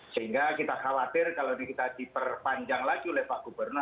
sehingga kita khawatir kalau ini kita diperpanjang lagi oleh pak gubernur